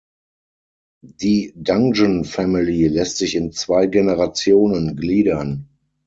Die Dungeon Family lässt sich in zwei Generationen gliedern.